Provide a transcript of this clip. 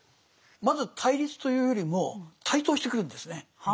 まず対立というよりも台頭してくるんですね。